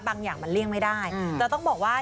อย่างมันเลี่ยงไม่ได้แต่ต้องบอกว่า